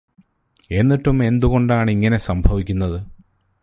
എന്നിട്ടും എന്തുകൊണ്ടാണ് ഇങ്ങനെ സംഭവിക്കുന്നത്?